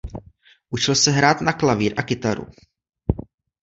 Učil se hrát na klavír a kytaru.